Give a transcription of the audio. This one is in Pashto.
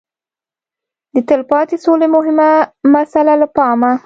د تلپاتې سولې مهمه مساله له پامه